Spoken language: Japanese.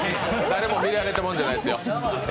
誰も見られたもんじゃないですよ。